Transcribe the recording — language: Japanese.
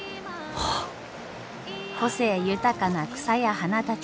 個性豊かな草や花たち。